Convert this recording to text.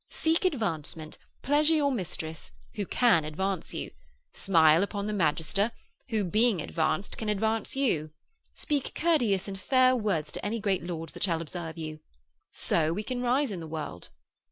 Seek advancement; pleasure your mistress, who can advance you; smile upon the magister, who, being advanced, can advance you. Speak courteous and fair words to any great lords that shall observe you. So we can rise in the world.'